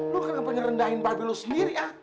lo kenapa ngerendahin mba be lo sendiri ya